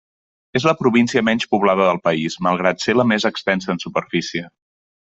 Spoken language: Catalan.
És la província menys poblada del país, malgrat ser la més extensa en superfície.